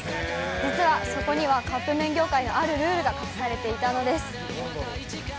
実はそこにはカップ麺業界の、あるルールが隠されていたのです。